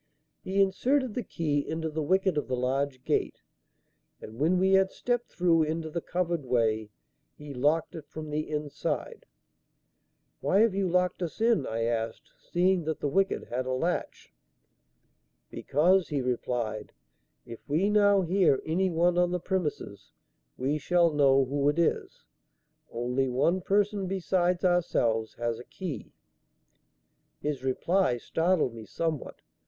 He inserted the key into the wicket of the large gate, and, when we had stepped through into the covered way, he locked it from the inside. "Why have you locked us in?" I asked, seeing that the wicket had a latch. "Because," he replied, "if we now hear any one on the premises we shall know who it is. Only one person besides ourselves has a key." His reply startled me somewhat.